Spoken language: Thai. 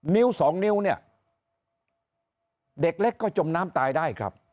นิ้วสองนิ้วเนี่ยเด็กเล็กก็จมน้ำตายได้ครับ